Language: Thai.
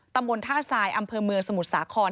ตำบลท่าทรายอำเภอเมืองสมุทรสาคร